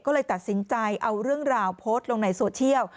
ก็เลยตัดสินใจเอาเรื่องราวโพสต์ลงในโซเชียล